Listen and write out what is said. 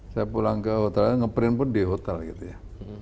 saya pulang ke hotel nge print pun di hotel gitu ya